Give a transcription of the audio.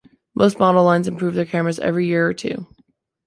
Most model lines improve their cameras every year or two.